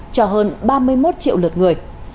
cho hơn ba mươi một triệu lượt người